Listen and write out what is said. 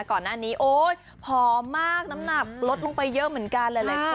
ก่อนหน้านี้โอ๊ยผอมมากน้ำหนักลดลงไปเยอะเหมือนกันหลายคน